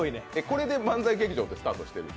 これで漫才劇場でスタートしてる？